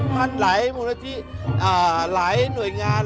ทุกท่านหลายหน่วยงาน